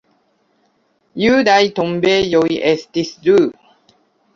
Judaj tombejoj estis du.